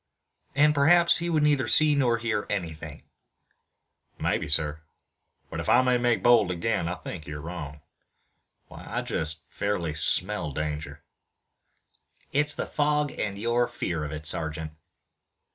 "And perhaps he would neither see nor hear anything" "Maybe, sir, but if I may make bold again, I think you're wrong. Why, I just fairly smell danger." "It's the fog and your fear of it, sergeant."